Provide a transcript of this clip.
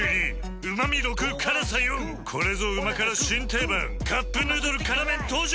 ４これぞ旨辛新定番「カップヌードル辛麺」登場！